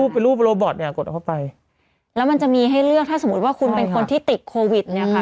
เป็นรูปโรบอตเนี่ยกดเอาเข้าไปแล้วมันจะมีให้เลือกถ้าสมมุติว่าคุณเป็นคนที่ติดโควิดเนี่ยค่ะ